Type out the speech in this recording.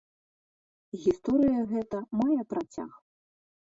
Гісторыя гэта мае працяг.